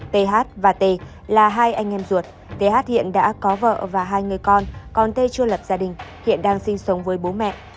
th và t là hai anh em ruột th hiện đã có vợ và hai người con còn tê chua lập gia đình hiện đang sinh sống với bố mẹ